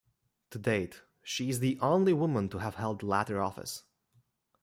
To date, she is the only woman to have held the latter office.